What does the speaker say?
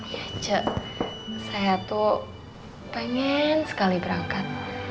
ya ce saya tuh pengen sekali berangkat